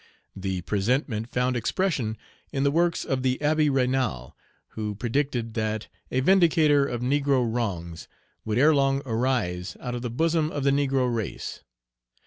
The presentiment found expression in the works of the Abbé Raynal, who predicted that a vindicator of negro wrongs would erelong arise out of the bosom of the negro race.